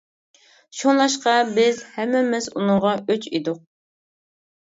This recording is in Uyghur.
شۇڭلاشقا بىز ھەممىمىز ئۇنىڭغا ئۆچ ئىدۇق.